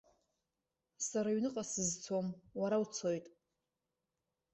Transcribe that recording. Сара аҩныҟа сызцом, уара уцоит.